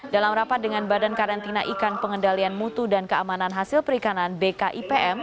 dalam rapat dengan badan karantina ikan pengendalian mutu dan keamanan hasil perikanan bkipm